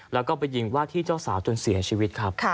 แล้วก็ไปยิงว่าที่เจ้าสาวจนเสียชีวิตครับ